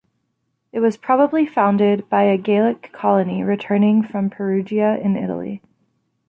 It was probably founded by a Gallic colony returning from Perugia in Italy.